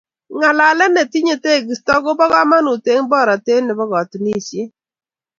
Ng'alaalet ne tinye teegisto ko bo komonuut eng boroteet nebo katunisieet